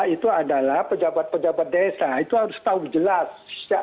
itu adalah pejabat pejabat desa itu harus tahu jelas